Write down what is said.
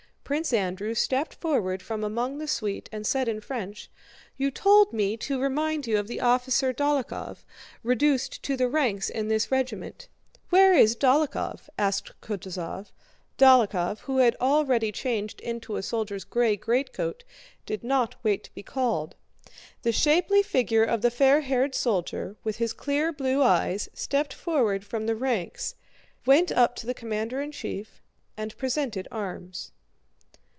Prince Andrew stepped forward from among the suite and said in French: "You told me to remind you of the officer Dólokhov, reduced to the ranks in this regiment." "Where is Dólokhov?" asked Kutúzov. Dólokhov, who had already changed into a soldier's gray greatcoat, did not wait to be called. The shapely figure of the fair haired soldier, with his clear blue eyes, stepped forward from the ranks, went up to the commander in chief, and presented arms.